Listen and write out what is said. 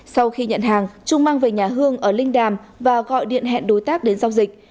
sau khi nhận hàng trung mang về nhà hương ở linh đàm và gọi điện hẹn đối tác đến giao dịch